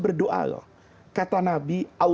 itu ada rasa yang berat